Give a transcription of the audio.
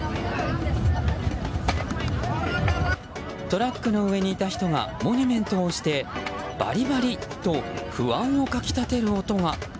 トラックの上にいた人がモニュメントを押してバリバリッと不安をかき立てる音が。